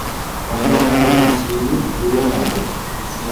انداختن تصویر روی پرده